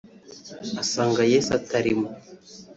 asanga Yesu atarimo